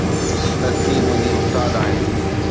ڌرتي منهنجي استاد آهي